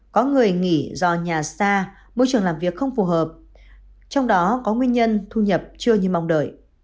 có người nghỉ do nhà xa môi trường làm việc không phù hợp trong đó có nguyên nhân thu nhập chưa như mong đợi